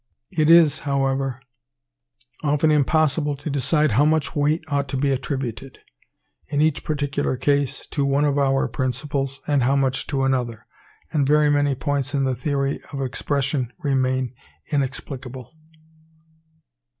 It is, however, often impossible to decide how much weight ought to be attributed, in each particular case, to one of our principles, and how much to another; and very many points in the theory of Expression remain inexplicable.